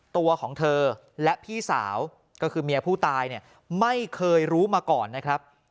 ตัวของเธอและพี่สาวก็คือเมียผู้ตายเนี่ยไม่เคยรู้มาก่อนนะครับ